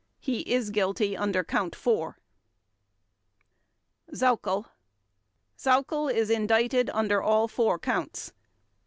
He is guilty under Count Four. SAUCKEL Sauckel is indicted under all four Counts.